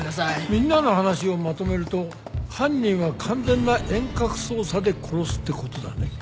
みんなの話をまとめると犯人は完全な遠隔操作で殺すってことだね。